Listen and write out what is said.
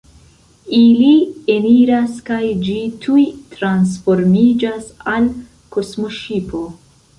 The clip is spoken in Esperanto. Ili eniras kaj ĝi tuj transformiĝas al kosmoŝipo.